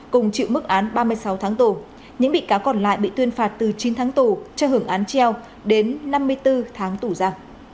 cùng chịu mức án ba mươi sáu tháng tù những bị cáo còn lại bị tuyên phạt từ chín tháng tù cho hưởng án treo đến năm mươi bốn tháng tù ra